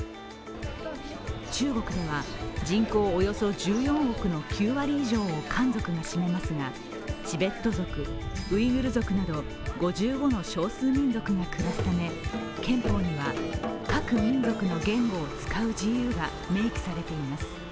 中国では、人口およそ１４億の９割以上を漢族が占めますが、チベット族、ウイグル族など５５の少数民族も暮らすため憲法には、各民族の言語を使う自由が明記されています。